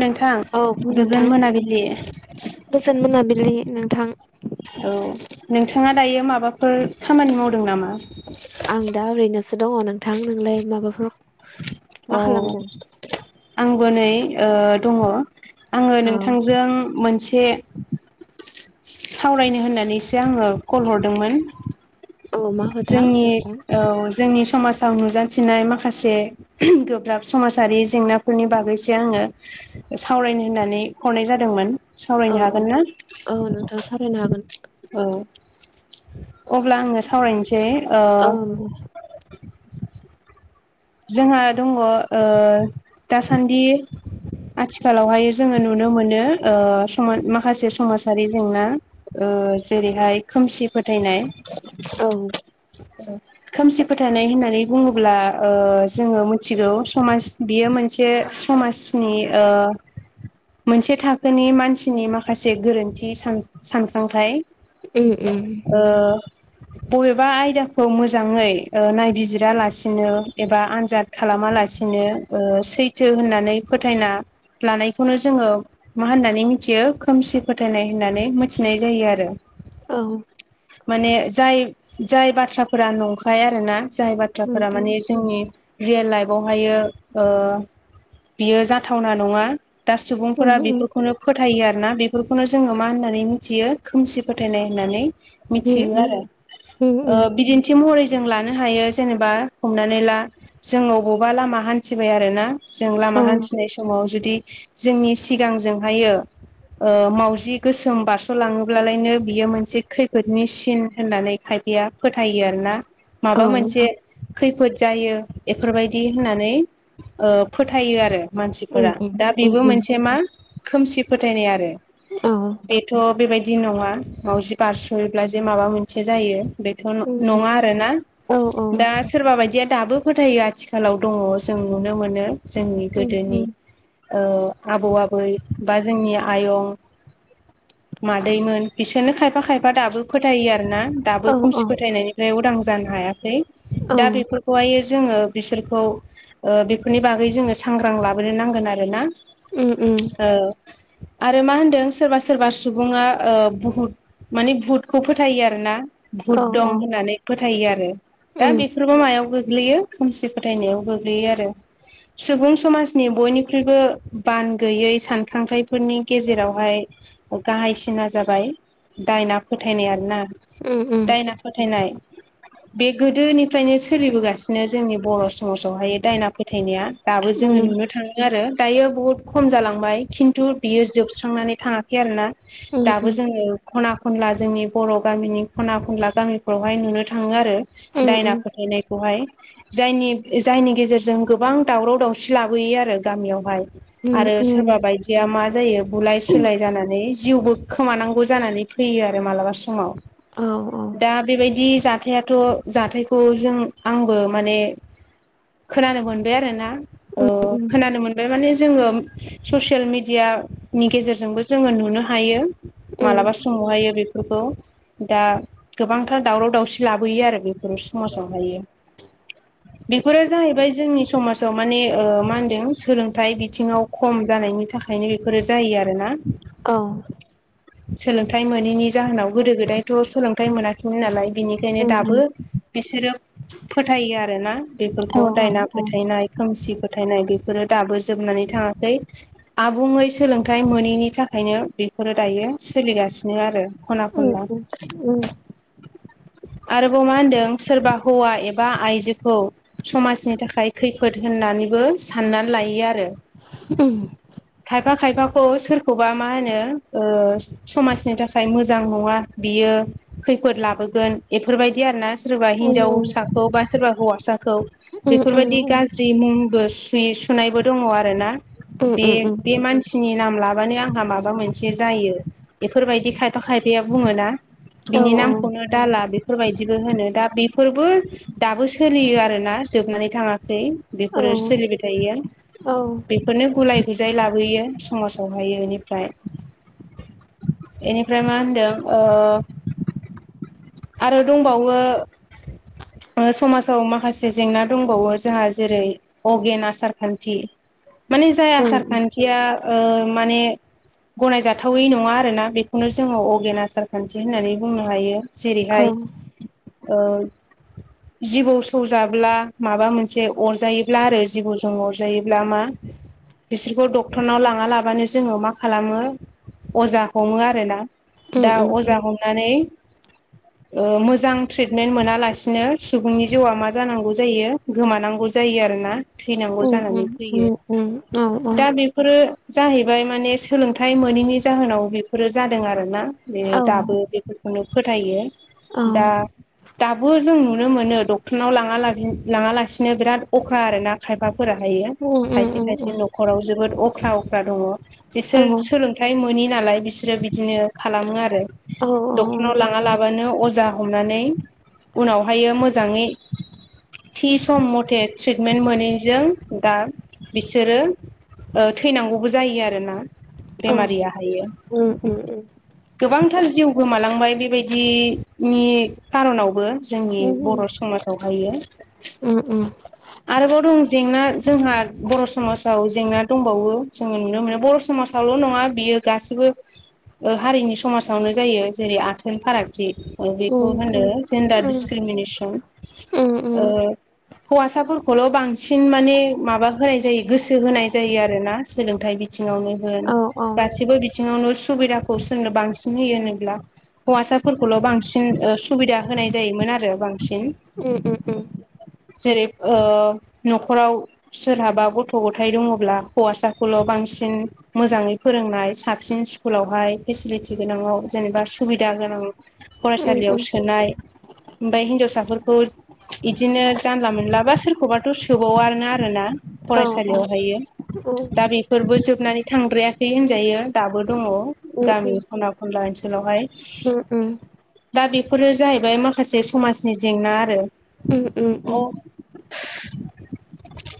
नोंथां औ गोजोन नोंथां मोनाबिलि औ गोजोन मोनाबिलि नोंथां। औ नोंथाङा दायो माबाफोर खामानि मावदों नामा? आं दा ओरैनोसो दङ नोंथां नोंलाय माबाफोर? मा अ खालामदों आं। बुनै ओ दङ आङो औ नोंथांजों मोनसे। सावरायनो होननानैसो आङो कल हर दोंमोन औ मा खोथा जोंनि नोंथां औ जोंनि समाज। नुजाथिनाय माखासे उम गोब्राब समाजारि जेंनाफोरनि बागैसो आङो। सावरायनो होननानै हरनाय जादोंमोन औ सावरायनो औ हागोन ना? औ नोंथां सावरायनो हागोन। औ अब्ला आङो सावरायनोस दे ओ औ जोंहा दङ ओ-दासान्दि। आथिखालावहाय जोङो नुनो मोनो ओ-सम माखासे समाजारि जेंना ओ ओ जेरैहाय खोमसि फोथ थायनाय औ खोमसि फोथायनाय होननानै बुङोब्ला। ओ-जोङो मिथिगौ समाज बियो मोनसे समाजनि ओ मोनसे थाखोनि मानसिनि माखासे गोरोन्थि सान सानखांथाय। उम उम। ओ बबेबा आयदाखौ मोजाङै ओ नायबिजिरालासिनो एबा आनजाद। खालामालासिनो ओ-सै थो होननानै फोथायना लानायखौनो जोङो मा होननानै मिथियो खोमसि फोथायनाय। होननानै मिथिनाय जायो आरो। औ। माने जाय जाय बाथ्राफोरा नंखाय आरोना जाय उम बाथ्राफोरा उम माने। जोंनि रियेल लाइफआवहायो ओ-बियो जाथावना नङा। दा उम सुबुंफोरा उम बेफोरखौनो फोथायो आरो। ना बेफोरखौनो जोङो मा होननानै मिथियो खोमसि फोथायनाय होननानै। मिथियो उम आरो उम उम ओ-बिदिन्थि महरै जों लानो हायो जेनेबा हमनानै। नै ला जों अबावबा लामा हान्थिबाय आरोना जों लामा औ हान्थिनाय समाव जुदि। जोंनि सिगांजोंहायो। ओ मावजि गोसोम बारसलाङोबलायनो बियो मोनसे खैफोदनि सिन होननानै खायफ बेया फोथायो आरो ना औ माबा मोनसे खै फोद जायो एफोरबायदि होननानै ओ-फोथायो आरो। उम मानसिफोरा उम दा उम बेबो उम मोनसे मा खोमसि फोथायनाय आरो। औ बेथ बेबायदि नङा मावाजि बारस'योब्ला जे माबा मोनसे जायो। बेथ उम उम न--नङा आरोना औ औ दा माबायदिया दाबो फोथायो आथिखालाव दङ जों नुनो मोनो। जोंनि उम गोदोनि उम ओ आबौ आबै बा जोंनि आयं मादैमोन बिस नो खायफा खायफा दाबो फोथायो आरोना दाबो औ खोमसि औ फोथायनायनिफ्राय उदां जानो हायाखै। दा उम बेफोरखौहायो। जोङो बिसोरखौ ओ बेफोरनि बागै जोङो सांग्रां लाबोनो नांगोन आरो ना। उम उम। आरो मा होनदों सोरबा सोरबा सुबुङा ओ-बुहुत। माने भुटखौ फोथायो आरो ना। औ भुट दं होननानै फोथायो आरो उम दा बेफोरबो मायाव गोग गोग्लैयो खोमसि फोथायनायाव गोग्लैयो आरो। सुबुं समाजनि बयनिख्रुइबो बान गैयै सानखांथायफोरनि गेजेरावहाय गाहायसिना जाबाय दायना फोथायनाय आरोना उम दायना फोथायनाय बे गोदोनिफ्रायनो सोलिबोगासिनो जोंनि बर' समाजावहाय दायना फोथायनाया। दाबो जोङो उम नुनो थाङो आरो दायो बहुद खम जालांबाय खिन्थु बियो जोबस्रांनानै थाङाखै आरोना। उम दाबो जोङो खना खनला जोंनि बर' गामिनि खना खनला गामिफ्रावहाय नुनो थाङो आरो उम दायना उम फोथायनायखौहाय। जायनि जायनि गेजेरजों गोबां दावराव दावसि लाबोयो आरो गामियावहाय। उम आरो उम सोरबा बायदिया मा जायो बुलाय सुलाय जानानै जिउबो खोमानांगौ जानानै फैयो आरो मालाबा समाव औ औ दा बेबायदि जाथायाथ' जाथायखौ जों आंबो माने खोनानो मोनबाय आरोना। ओ उम खोनानो मोनबाय माने जोङो ससियेल मिडियानि गेजेरजोंबो जोङो नुनो हायो मालाबा समावहायो बेफोरखौ। दा गोबांथार दावराव दावसि लाबोयो आरो बेफोर समाजावहायो। बेफोरो जाहैबाय जोंनि समाजाव माने ओ मा होनदों? सोलोंथाइ बिथिङाव खम जानायनि थाखायनो बेफोरो जायो आरोना। औ सोलोंथाइ मोनैनि जाहोनाव गोदो गोदायथ' सोलोंथाइ मोनाखैमोन नालाय बेनिखायनो उम उम दाबो बिसोरो फोथायो आरोना औ बेफोरखौ दायना फोथायनाय खोमसि फोथायनाय। बेफोरो दाबो जोबनानै थाङाखै आबुङै सोलोंथाइ मोनैनि थाखायनो बेफोरो दा दायो सोलिगासिनो आरो खना उम खनला। उम आरोबाव मा होनदों सोरबा हौवा एबा आइजोखौ समाजनि थाखाय खैफोद होननानैबो साननानै लायो आरो उम था खायफा खायफाखौ सोरखौबा मा होनो ओ समाजनि थाखाय मोजां नङा बियो खैफोद लाबोगोन बेफोरबायदि आरोना सोरबा उम हिनजावसाखौ बा सोरबा हौवासाखौ उम बेफोरबायदि गाज्रि मुंबो सु-सुनायबो दङ आरो ना। उम बे उम उम बे मानसिनि नाम लाबानो आंहा माबा मोनसे जायो बेफोरबायदि खायफा खायफाया बुङोना। औ बिनि नामखौनो हाला बेफोरबायदिबो होनो दा बेफोरबो दाबो सोलियो आरोना जोबनानै थाङाखै। औ बेफोरो सोलिबाय थायो बेफोरनो गुलाय गुजाय लाबोयो समाजावहाय बेनिफ्राय इनिफ्राय मा होनदों ओ आरो दंबावो। ओ समाजाव माखासे जेंना दंबावो जोंहा जेरै अगेन आसार खान्थि माने जाय उम औ उम आसार खान्थिया ओ माने गनायजाथावै नङा आरोना बेखौनो जोङो अगेन आसार खान्थि होननानै बुंनो हायो। जेरैहाय उम ओ जिबौ सौजाब्ला माबा मोनसे अरजायोब्ला आरो जिबौजों अरजायोब्ला मा [inaudible] बिसोरखौ डक्टरनाव लाङा लाबानो जोङो मा खालामो अजा हमो आरो ना। दा उम औ अजा औ उम औ उम औ उम हमनानै ओ मोजां ट्रिटमेन्ट मोनालासिनो सुबुंनि जिउआ मा जानांगौ जायो गोमानांगौ जायो आरोना। थैनांगौ जानानै फैयो दा बेफोरो जाहैबाय माने सोलोंथाइ मोनैनि जाहोनाव बेफोरो जादों आरोना बे दाबो बेफोरखौनो फोथायो। दा दाबो जों नुनो मोनो डक्टरनाव लाङा लाब लाङा लासिनो बिराद अख्रा आरो ना खायफाफोरा। थायो खायसे खायसे न'राव जोबोद अख्रा अख्रा दङ बिसोर सोलोंथाइ मोनि ना लाय बिसोरो बिदिनो खालामो आरो। औ औ। [unintelligible] लाङा लाबानो अजा हमनानै उनावहायो मोजाङै थि सम मथे थ्रिटमेन्ट मोनैजों दा बिसोरो ओ थैनांगौबो जायो आरोना बेमारिया हायो। उम उम उम। गोबांथार जिउ गोमालां बाय बेबायदिनि कार'नावबो जोंनि बर' समाजावहायो। उम उम। आरोबाव दं जेंना जोंहा बर' समाजाव जेंना दंबावो जोङो नुनो मोनो बर' समाज समासावल' नङा बियो गासिबो ओ हारिनि समासावनो जायो। जेरै आथोन फारागथि बेखौ होनदो जेन्डार डिसक्रिमिनेसन। ओ हौवासाफोरखौल' बांसिन माने माबा होनाय जायो गोसो होनाय जायो आरोना सोलोंथाइ बि थिङावनो होन गासिबो बिथिङावनो सुबिदाखौ सोरनो बांसिन होयो होनोब्ला हौवासाफोरखौल' बांसिन ओ सुबिदा होनाय जायोमोन आरो बांसिन। उम जेरै ओ न'खराव सोरहाबा गथ' गथाइ दङब्ला हौवासाखौल' बां सिन मोजाङै फोरोंनाय साबसिन स्कुलावहाय फिसिलिटि गोनांङाव जेनेबा सुबिदा गोनां उम उम फरायसालियाव सोनाय ओमबाय हिनजावसाफोरखौ इदिनो जानला मोनलाबा सोरखौबाथ' सोबावानो आरोना औ फरायसालियावहायो। दा बेफोरबो जोबनानै थांद्रायाखै होनजायो दाबो दङ उम गामि ख'ना खनला ओनसोलावहाय। उम उम दा बेफोरो जाहैबाय माखासे समाजनि जेंना आरो। उम उम।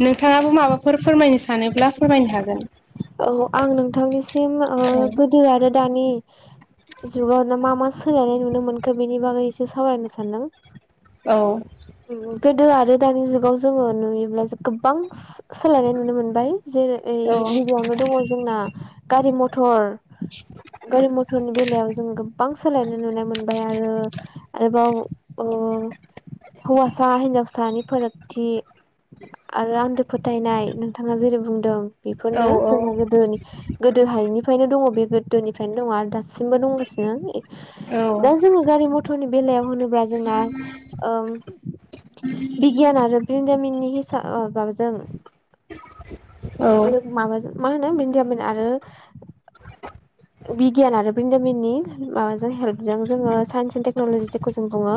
नोंथाङाबो माबाफोर फोरमायनो सानोब्ला फोरमायनो हागोन। औ आं नोंथांनिसिम ओ गोदो आरो दानि जुगावनो मा मा सोलायनाय नुनो मोनखो बेनि बागैसे सावरायनो सानदों। औ। गोदो आरो दानि जुगाव जोङो नुयोब्ला गोबां सो-सोलायनाय नुनो मोनबाय। जेरै औ गिबियावनो दङ जोंना गारि मथर गारि मथरनि बेलायाव जों गोब बां सोलायनो नुनाय मोनबाय आरो आरोबाव ओ हौवास सा हिनजावसानि फोरागथि आरो आन्दो फोथायनाय नोंथाङा जेरै बुंदों औ बेफोरनो जोंना गोदोनि गोदो हायिनिफ्रायनो दङ बे गोदोनिफ्रायनो दङ आरो दासिमबो दंगासिनो औ दा जोङो गारि मथरनि बेलायाव होनोब्ला जोंना ओम बिगियान आरो बिरोंदामिननि हिसा बावजों औ [inaudible] मा होनो [unintelligible] आरो बिगियान आरो बिरोंदामिननि माबाजों हेल्पजों जोङो साइन्स एन्ड टेक्न'लजि जेखौ जों बुङो।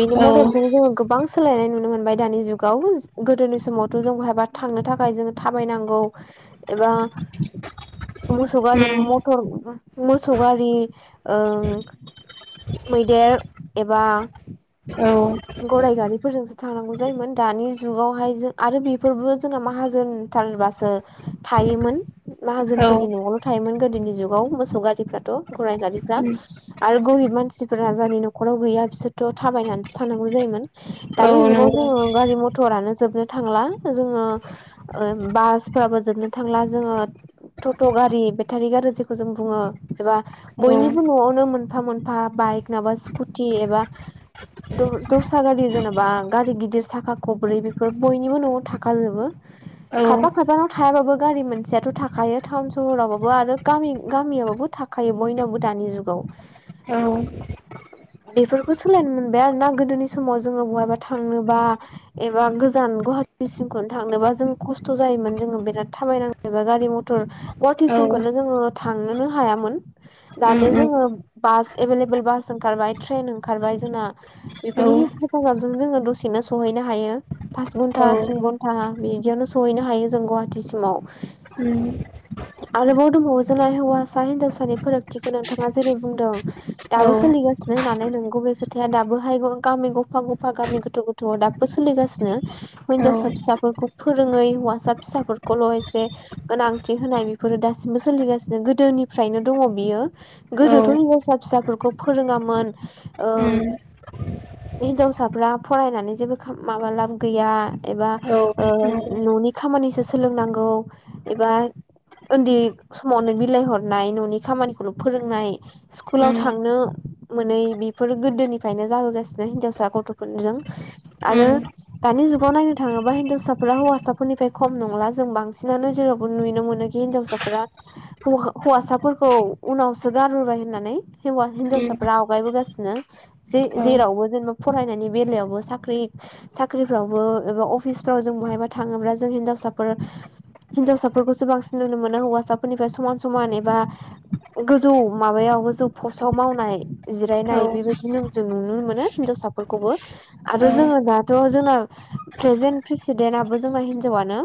बेनि औ मददजों जोङो गोबां सोलायनाय नुनो मोन बाय दानि जुगाव गोदोनि समावथ' जों बहायबा थांनो थाखाय जों थाबायनांगौ एबा मोसौ‌ गारि उम म मोसौ गारि ओं मैदेर एबा औ गराय गारिफोरजों थांनांगौ जायोमोन दानि जुगावहाय जों आरो बेफोरबो जोंना माहाजोनथारबासो थायोमोन औ माहाजोनफोरनि न'आवल' थायोमोन गोदोनि जुगाव मोसौ गारिफ्रा। त' गराय गारिफ्रा उम आरो गोरिब मानसि फोरा जायनि न'खराव गैया बिसोरथ' थाबायनानैसो थांनागौ जायोमोन। औ दानि जुगाव नंगौ जोङो गारि मथरानो जोबनो थांला जोङो ओ बासफोराबो जोबनो थांला जोङो टट' गारि बेटारि गारि जों जों बुङो एबा औ बयनिबो न'आवनो मोनफा मोनफा बाइक माबा स्कुटि एबा द दस्रा गारि जेनेबा गारि गिदिर साखा खबब्रै बेफोर बयनिबो न'आव थाखाजोबो औ खाफा खाफानाव थायाबाबो गारि मोनसेयाथ' थाखायो टाउन सहरावबाबो आरो गामि गामियावबो थाखायो बयनावबो दानि जुगाव औ बेफोरखौ सोलायनो मोनबाय आरोना गोदोनि समाव जोङो बहायबा थांनोबा एबा गोजान गहा टिसिमखौनो थांनोबा जों खस्थ' जायोमोन जोङो बिराद थाबायनाङो बा गारि मथर गवाटिसिमखौनो उम थांनोनो हायामोन दानि उम जोङो बास एभेलेबेल बास ओंखारबाय ट्रेन ओंखारबाय जोंना औ बेफोरनि हेफाजाबजों जोङो दसेनो सहै नो हायो पास औ धन्टा थिन घन्टा बिदियावनो सहैनो हायो जों गुवाटिसिमाव उम आरोबाव बाव दंबावो जोंहा हौवासा हिनजावसानि फोरागथिखौ नोंथाङा जेरै बुंदों औ दाबो सोलिगासिनो होननानै नंगौ बे खोथाया दाबोहाय गामि गफा गफा गामि गोथौ गोथौवाव दाबो सोलिगानो औ हिनजाव सा फिसाफोरखौ फोरोङै हौवासा फिसाफोरखौल' एसे गोनांथि होनाय बेफोरो दासि दासिमबो सोलिगासिनो गोदोनिफ्रायनो दङ बियो औ गोदोथ' हिनजावसा फिसाफोरखौ फोरोङामोन ओं उम हिनजावसाफ्रा फरायनानै जेबो खा माबा लाब गैया एबा औ नंगौ ओ न'नि खामानिसो सोलोंनांगौ एबा ओन्दै समावनो बिलाइ हरनाय न'नि खामानिखौल' फोरोंनाय स्कुलाव उम थांनो मोनै बेफोर गोदोनिफ्रायनो जाबोगासिनो हिनजावसा गथ'फोरजों आरो उम दानि जुगाव नायनो थाङोबा हिनजावसाफोरा हौवासाफोरनिफ्राय खम नंला जों बांसिनानो जेरावबो नुनो मोनोखि हिनजावसाफोरा होवा -हौवासाफोरखौ उनावसो गारबोबाय होननानै हिवा उम हिन्जावसाफोरा आवगायबोगासिनो नो जे औ जेरावबो जेन' फरायनायनि बेलायावबो साख्रि साख्रिफ्रावबो एबा अ अफिसफोराव जों बहायबा थाङोब्ला जों हिनजावसाफोर हिनजावसाफोरखौसो बांसिन नुनो मोनो हौवासा फोरनिफ्राय समान समान एबा गोजौ माबायाव गोजौ फस्टआव मावनाय औ जिरायनाय बेबादिनो जों नुनो मोनो हिनजावसाफोरखौबो आरो जोङो दाथ' जोंना प्रेजेन्ट प्रेसिडेन्ट नाबो जोंना हिनजावानो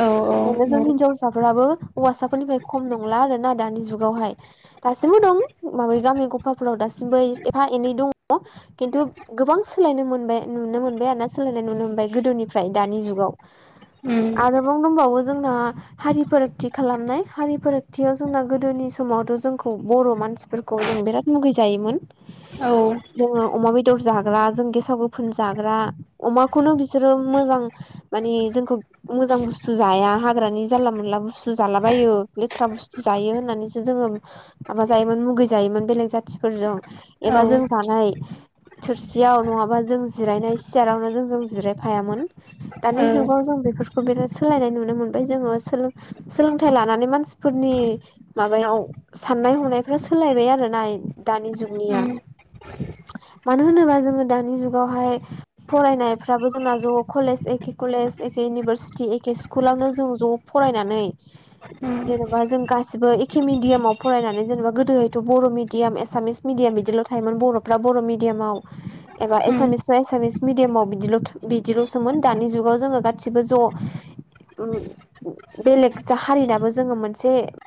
औ औ साफ्राबो हौवासा फोरनिफ्राय खम नंला आरोना दानि जुगावहाय दासिमबो दं माब्रै गामि गफाफोराव दासिमबो एफा एनै दङ खिन्थु गोबां सोलायनो मोनबाय नुनो मोनबाय आरोना सोलायनाय नुनो मोनबाय गोदो निफ्राय दानि जुगाव उम आरोबाव दंबावो जोंना हारि फारागथि खालामनाय हारि फारागथियाव जोंना गोदोनि समावथ' जोंखौ बर' मानसिफोरखौ जों बिराद मुगैजायोमोन। औ औ जोङो अमा बेद दर जाग्रा जों गेसाव गोफोन जाग्रा अमाखौनो बिसोरो मोजां मानि जोंखौ मोजां बुस्थु जाया हाग्रानि जानला मोनला बुस्थु जालाबायो लेथ्रा बुस्थु जायो होननानैसो जोङो माबाजायोमोन मुगै जायोमोन बेलेग जाथिफोरजों एबा ओ जों जानाय थोरसियाव नङाबा जों जिरायनाय सियारावनो जोंजों जिरायफायामोन दानि उम जुगाव बेफोरखौ बिराद सोलायनाय नुनो मोनबाय जोङो सोलों सोलोंथाय लानानै मानसि फोरनि माबायाव साननाय हनायफ्रा सोलायबाय आरो ना दानि जुगनिया मानो होनोबा जोङो दानि जुगावहाय फरायनायफ्राबो जोंना ज' कलेज एके एखे कलेज एखे इउनिभारसिटि एखे स्कुलावनो जों ज' फरायनानै उम जेनेबा जों गासिबो एखे मिडियामाव फरायनानै जेनेबा गोदोहायथ' बर' मिडियाम एसामिस मिडियाम बिद बिदिल' थायोमोन बर'फ्रा बर' मिडियामाव एबा उम एसामिस फ्रा एसामिस मिदियामाव बिदिल' बिदिल' दानि जुगाव जों गासैबो जव बेलेग हारिनाबो जोङो मोनसे